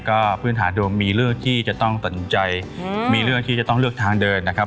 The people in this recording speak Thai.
ก็พื้นฐานดวงมีเรื่องที่จะต้องตัดสินใจมีเรื่องที่จะต้องเลือกทางเดินนะครับ